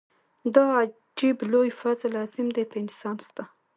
دا عجب لوی فضل عظيم دی په انسان ستا.